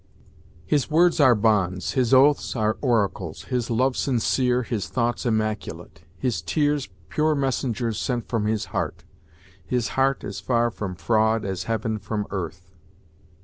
"His words are bonds, his oaths are oracles; His love sincere, his thoughts immaculate; His tears pure messengers sent from his heart; His heart as far from fraud as heaven from earth."